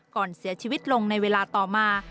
ก่อนเสียชีวิตลงในเวลาต่อมา